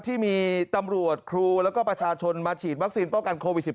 ที่มีตำรวจครูแล้วก็ประชาชนมาฉีดวัคซีนป้องกันโควิด๑๙